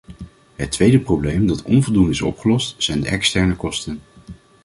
Het tweede probleem dat onvoldoende is opgelost, zijn de externe kosten.